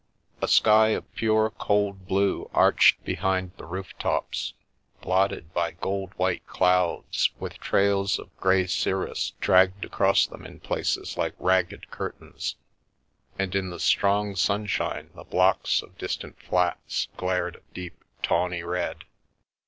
A sky of pure cold blue arched behind the roof tops, blotted by gold white clouds, with trails of grey cir rus dragged across them in places like ragged curtains; and in the strong sunshine the blocks of distant flats glared a deep tawny red.